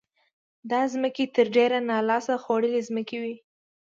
دا ځمکې تر ډېره نا لاس خوړلې ځمکې وې.